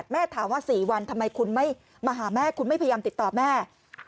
ถามว่า๔วันทำไมคุณไม่มาหาแม่คุณไม่พยายามติดต่อแม่